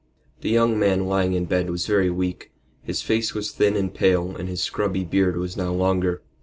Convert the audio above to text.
The young man lying in bed was very weak. His face was thin and pale and his scrubby beard was now longer.